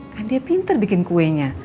kan dia pinter bikin kuenya